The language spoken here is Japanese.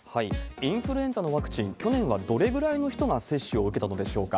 インフルエンザのワクチン、去年はどれぐらいの人が接種を受けたのでしょうか。